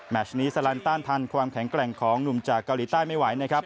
ชนี้สลันต้านทันความแข็งแกร่งของหนุ่มจากเกาหลีใต้ไม่ไหวนะครับ